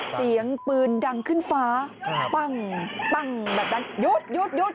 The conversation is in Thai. เสียงปืนดังขึ้นฟ้าปั้งปั้งแบบนั้นหยุดหยุด